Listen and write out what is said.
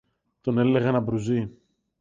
Τον έλεγαν Αμπρουζή